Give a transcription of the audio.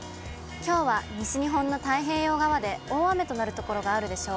きょうは西日本の太平洋側で大雨となる所があるでしょう。